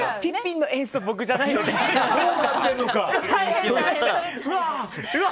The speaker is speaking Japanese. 「ピピン」の演出は僕じゃないので。